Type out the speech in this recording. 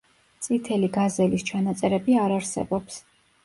წითელი გაზელის ჩანაწერები არ არსებობს.